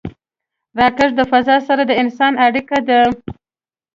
راکټ د فضا سره د انسان اړیکه ده